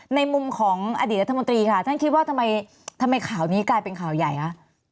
ในมุมของอดีตรัฐมนตรีค่ะท่านคิดว่าทำไมข่าวนี้กลายเป็นข่าวใหญ่คะ